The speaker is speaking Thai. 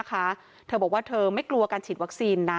ก็คือเป็นการสร้างภูมิต้านทานหมู่ทั่วโลกด้วยค่ะ